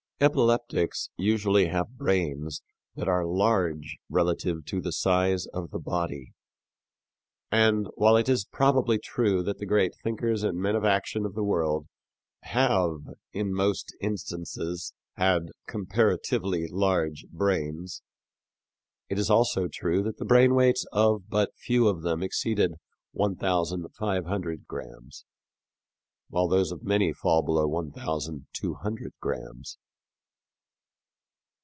Epileptics usually have brains that are large relatively to the size of the body. And, while it is probably true that the great thinkers and men of action of the world have, in most instances, had comparatively large brains, it is also true that the brain weights of but few of them exceeded 1500 grams, while those of many fall below 1200 grams.